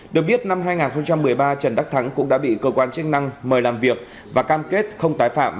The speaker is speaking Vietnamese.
được biết năm hai nghìn một mươi ba trần đắc thắng cũng đã bị cơ quan chức năng mời làm việc và cam kết không tái phạm